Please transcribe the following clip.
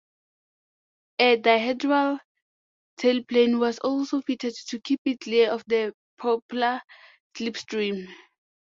A dihedral tailplane was also fitted to keep it clear of the propeller slipstream.